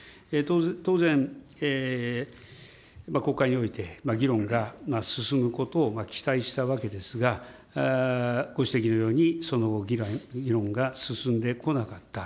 当然、国会において議論が進むことを期待したわけですが、ご指摘のようにその後議論が進んでこなかった。